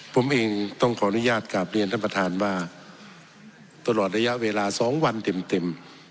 ผมเองต้องขออนุญาตกลับเรียนท่านประธานว่าตลอดระยะเวลา๒วันเต็ม